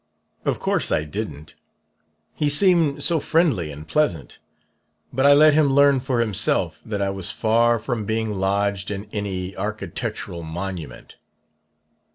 Of course I didn't he seemed so friendly and pleasant; but I let him learn for himself that I was far from being lodged in any architectural monument.